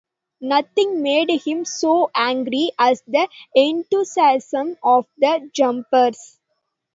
Nothing made him so angry as the enthusiasm of the jumpers.